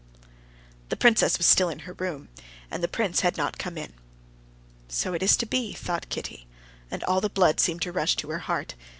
The princess was still in her room, and the prince had not come in. "So it is to be," thought Kitty, and all the blood seemed to rush to her heart.